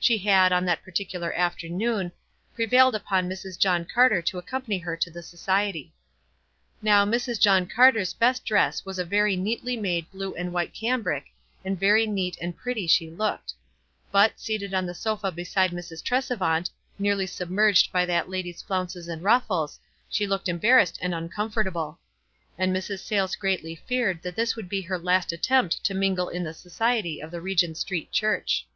She had, 40 WISE AND OTHERWISE. on that particular afternoon, prevailed upon Mrs. John Carter to accompany her to the so ciety. Now Mrs. John Carter's best dress was a very neatly made blue and white cambric, and very neat and pretty she looked ; but, seated on the sofa beside Mrs. Tresevant, nearly submerged by that lady's flounces and ruffles, she looked embarrassed and uncomfortable, and Mrs. Sayles greatly feared that this would be her last at tempt to mingle in the society of the Regent Street Church.